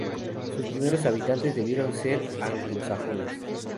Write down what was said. Sus primeros habitantes debieron de ser anglosajones.